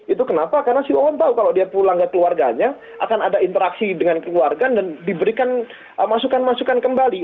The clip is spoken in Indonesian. itu kenapa karena si wawan tahu kalau dia pulang ke keluarganya akan ada interaksi dengan keluarga dan diberikan masukan masukan kembali